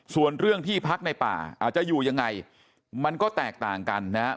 ส่วนเรื่องที่พักในป่าอาจจะอยู่ยังไงมันก็แตกต่างกันนะครับ